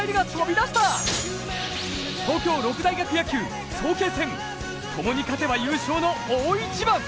今夜の「Ｓ☆１」は東京六大学野球、早慶戦、ともに勝てば優勝の大一番。